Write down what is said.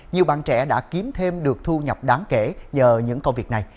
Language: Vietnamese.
nhiều bạn trẻ đã kiếm thêm được thu nhập đáng kể nhờ những công việc này